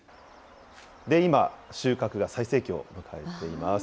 今、収穫が最盛期を迎えています。